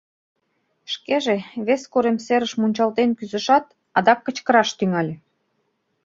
Шкеже вес корем серыш мунчалтен кӱзышат, адак кычкыраш тӱҥале: